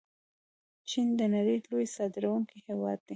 چین د نړۍ لوی صادروونکی هیواد دی.